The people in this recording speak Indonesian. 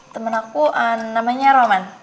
temen aku namanya roman